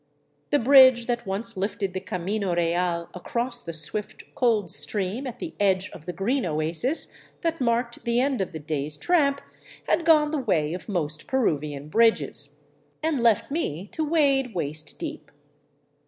The bridge that once lifted the camino real across the swift, cold stream at the edge of the green oasis that marked the end of the day's tramp had gone the way of most Peruvian bridges, and left me to wade waist deep.